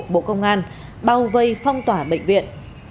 bộ công an bao vây phong tỏa bệnh viện